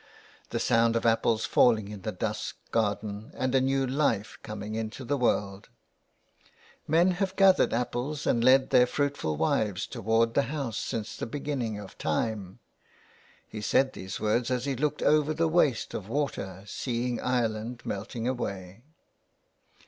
The sound of apples falling in the dusk garden, and a new life coming into the world !" Men have gathered apples and led their fruitful wives towards the house since the beginning of time." He said these words as he looked over the waste of water seeing Ireland melting away.